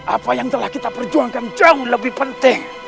apa yang telah kita perjuangkan jauh lebih penting